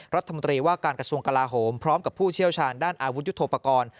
รัฐมนตรีว่าการกระทรวงกลาโหมพร้อมกับผู้เชี่ยวชาญด้านอาวุธยุทธโปรกรณ์